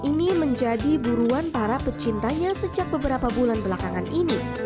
ini menjadi buruan para pecintanya sejak beberapa bulan belakangan ini